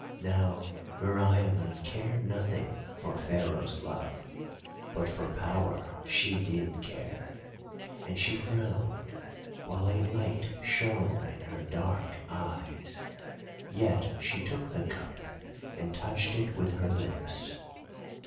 Now Meriamun cared nothing for Pharaoh's love, but for power she did care, and she frowned, while a light shone in her dark eyes; yet she took the cup and touched it with her lips.